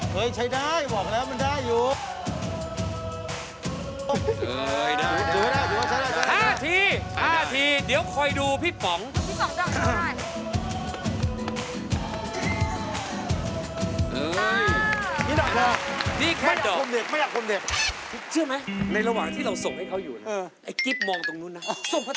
เป็นเลยเป็นเลยกิ๊บเป็นเลย